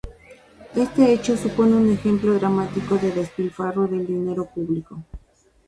Este hecho supone un ejemplo dramático de despilfarro del dinero público.